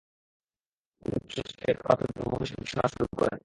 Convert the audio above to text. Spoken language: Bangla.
তিনি উচ্চ চাপে পদার্থের ধর্ম বিষয়ে গবেষণা শুরু করেন।